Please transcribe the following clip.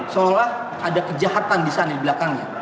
seolah ada kejahatan di sana di belakangnya